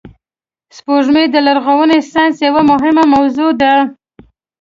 سپوږمۍ د لرغوني ساینس یوه مهمه موضوع وه